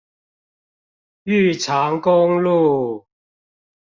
玉長公路